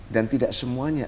dan tidak semuanya